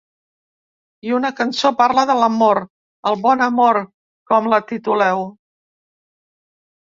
I una cançó parla de l’amor, el bon amor, com la tituleu.